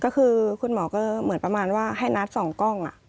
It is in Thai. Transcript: ก็คือคุณหมอก็เหมือนประมาณว่าให้นัด๒กล้อง